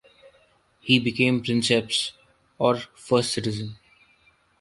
He became princeps, or "first citizen".